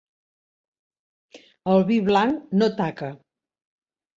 El vi blanc no taca.